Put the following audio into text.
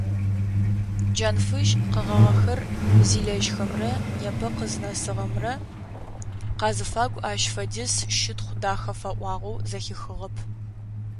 Джанфыжь къэгъагъэхэр зилэжьхэрэмрэ непэ къызнэсыгъэмрэ къазыфагу ащ фэдиз щытхъу дахэ фаӏуагъэу зэхихыгъэп.